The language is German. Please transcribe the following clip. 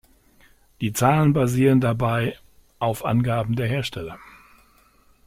Die Zahlen basierten dabei auf Angaben der Hersteller.